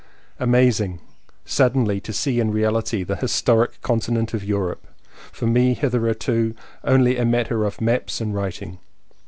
Amazing! suddenly to see in reality the historic continent of Europe, for me hitherto only a matter of maps and writing.